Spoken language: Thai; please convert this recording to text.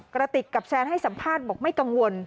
กระติกกับแซนให้สัมภาษณ์บอกไม่กังวล